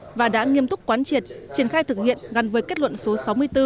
các cấp ủy tổ chức đảng đã nghiêm túc quán triệt triển khai thực hiện ngăn với kết luận số sáu mươi bốn